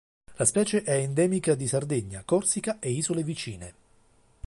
La specie è endemica di Sardegna, Corsica e isole vicine.